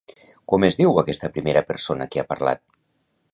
Com es diu aquesta primera persona que ha parlat?